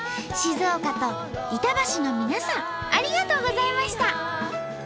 静岡と板橋の皆さんありがとうございました！